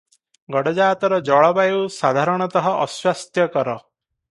ଗଡ଼ଜାତର ଜଳବାୟୁ ସାଧାରଣତଃ ଅସ୍ୱାସ୍ଥ୍ୟକର ।